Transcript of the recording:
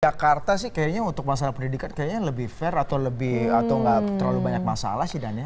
jakarta sih kayaknya untuk masalah pendidikan kayaknya lebih fair atau lebih atau nggak terlalu banyak masalah sih dan ya